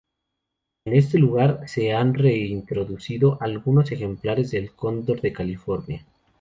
En este lugar se han re-introducido algunos ejemplares del cóndor de California.